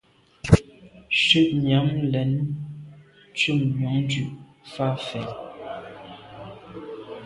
Shutnyàm lem ntùm njon dù’ fa fèn.